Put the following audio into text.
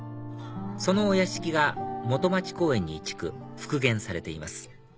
そのお屋敷が元町公園に移築復元されています